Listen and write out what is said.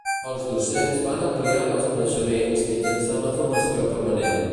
Els docents van ampliant els coneixements mitjançant la formació permanent.